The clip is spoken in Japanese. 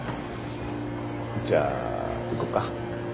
じゃあ行こうか。